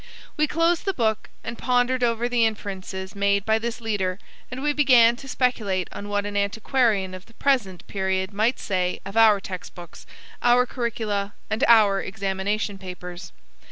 We closed the book and pondered over the inferences made by this leader and we began to speculate on what an antiquarian of the present period might say of our textbooks, our curricula, and our examination papers.